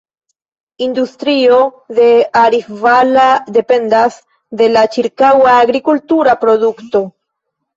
Industrio de Arifvala dependas de la ĉirkaŭa agrikultura produkto.